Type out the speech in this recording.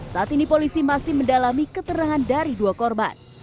saat ini polisi masih mendalami keterangan dari dua korban